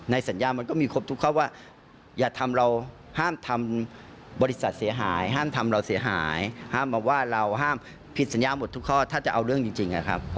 สัญญามันก็มีครบทุกข้อว่าอย่าทำเราห้ามทำบริษัทเสียหายห้ามทำเราเสียหายห้ามมาว่าเราห้ามผิดสัญญาหมดทุกข้อถ้าจะเอาเรื่องจริงนะครับ